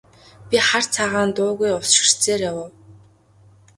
Би хар цагаан дуугүй ус ширтсээр явав.